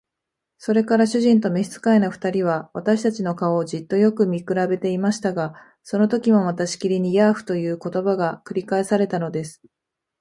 それから主人と召使の二人は、私たちの顔をじっとよく見くらべていましたが、そのときもまたしきりに「ヤーフ」という言葉が繰り返されたのです。